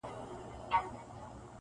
نه واسکټ- نه به ځان مرګی- نه به ترور وي-